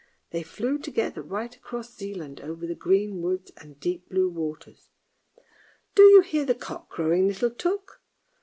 They flew together right across Zealand, over the green woods and deep blue waters. " Do you hear the cock crowing, little Tuk?